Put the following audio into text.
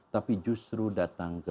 tapi justru datang ke